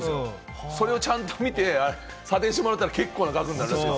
それをちゃんと見て査定してもらったら結構な額になる。